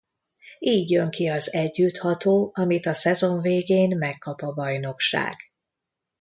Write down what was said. Így jön ki az együttható amit a szezon végén megkap a bajnokság.